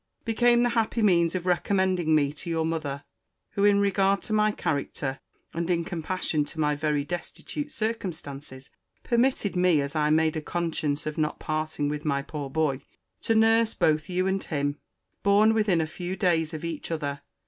became the happy means of recommending me to your mother, who, in regard to my character, and in compassion to my very destitute circumstances, permitted me, as I made a conscience of not parting with my poor boy, to nurse both you and him, born within a few days of each other.